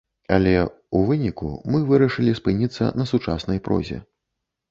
Але, у выніку мы вырашылі спыніцца на сучаснай прозе.